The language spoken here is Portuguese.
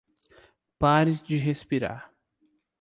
Pare de respirar